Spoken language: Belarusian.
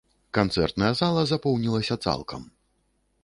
Канцэртная зала запоўнілася цалкам.